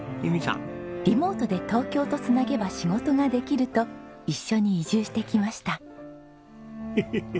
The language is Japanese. リモートで東京と繋げば仕事ができると一緒に移住してきました。